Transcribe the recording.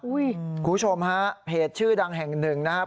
คุณผู้ชมฮะเพจชื่อดังแห่งหนึ่งนะครับ